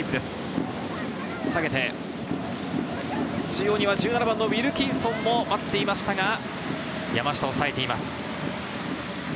中央にはウィルキンソンも待っていましたが、山下か抑えています。